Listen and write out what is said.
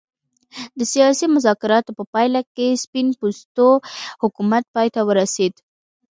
د سیاسي مذاکراتو په پایله کې سپین پوستو حکومت پای ته ورسېد.